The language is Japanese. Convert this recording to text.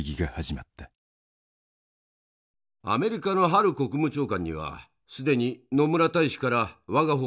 アメリカのハル国務長官には既に野村大使から我が方の条件を手渡しました。